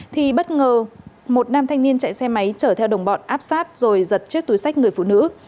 thì bất ngờ một nam thanh niên chạy xe máy chở theo đồng bọn áp sát rồi giật chiếc túi sách người phụ nữ